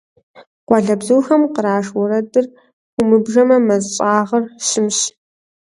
Къуалэбзухэм къраш уэрэдыр хыумыбжэмэ, мэз щӀагъыр щымщ.